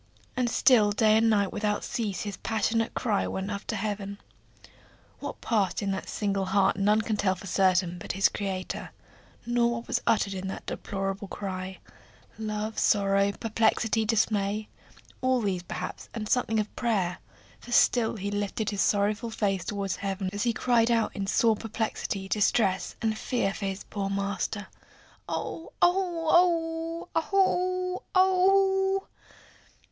And still day and night without cease his passionate cry went up to heaven. What passed in that single heart none can tell for certain but his Creator; nor what was uttered in that deplorable cry; love, sorrow, perplexity, dismay all these perhaps, and something of prayer for still he lifted his sorrowful face toward heaven as he cried out in sore perplexity, distress, and fear for his poor master oh! o o o h! o o o o h! o o o o o o o o h!